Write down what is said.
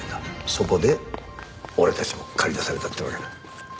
そこで俺たちも駆り出されたってわけだ。